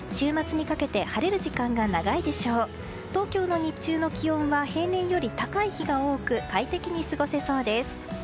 東京の日中の気温は平年より高い日が多く快適に過ごせそうです。